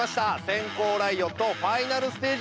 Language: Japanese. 閃光ライオットファイナルステージ！